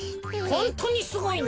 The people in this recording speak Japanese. ホントにすごいな。